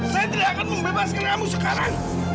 saya tidak akan membebaskan kamu sekarang